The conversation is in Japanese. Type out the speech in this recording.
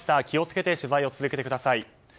気を付けて取材を続けてください。